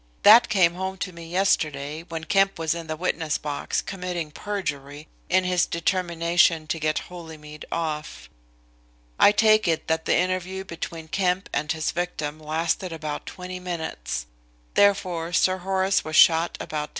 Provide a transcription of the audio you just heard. That came home to me yesterday when Kemp was in the witness box committing perjury in his determination to get Holymead off. I take it that the interview between Kemp and his victim lasted about 20 minutes. Therefore Sir Horace was shot about 10.